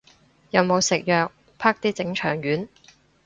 有冇食藥，啪啲整腸丸